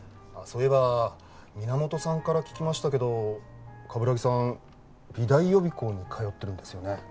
そういえば源さんから聞きましたけど鏑木さん美大予備校に通ってるんですよね？